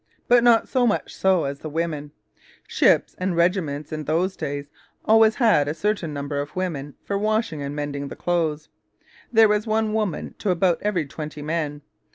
But not so much so as the women! Ships and regiments in those days always had a certain number of women for washing and mending the clothes. There was one woman to about every twenty men.